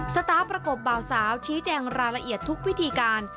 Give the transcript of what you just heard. สตาร์ฟประกบ่าวสาวชี้แจงรายละเอียดทุกวิธีการ